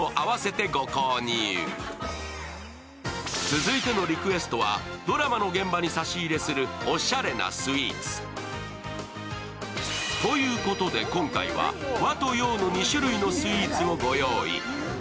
続いてのリクエストはドラマの現場に差し入れするおしゃれなスイーツ。ということで、今回は和と洋の２種類のスイーツをご用意。